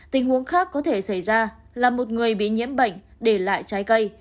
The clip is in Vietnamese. tình huống khác có thể xảy ra là một người bị nhiễm bệnh để lại trái cây